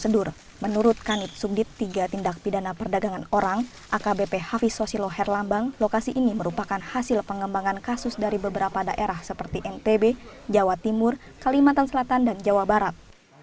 di jawa barat lokasi ini merupakan hasil pengembangan kasus dari beberapa daerah seperti ntb jawa timur kalimantan selatan dan jawa barat